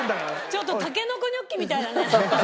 ちょっとたけのこニョッキみたいだね。